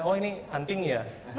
oh ini anting ya